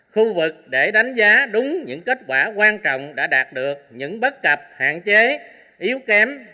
khu vực để đánh giá đúng những kết quả quan trọng đã đạt được những bất cập hạn chế yếu kém